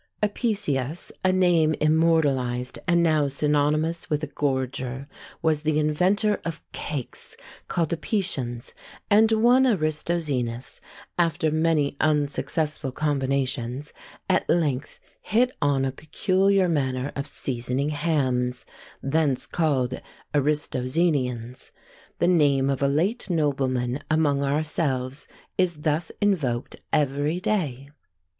Apicius, a name immortalised, and now synonymous with a gorger, was the inventor of cakes called Apicians; and one Aristoxenes, after many unsuccessful combinations, at length hit on a peculiar manner of seasoning hams, thence called Aristoxenians. The name of a late nobleman among ourselves is thus invoked every day.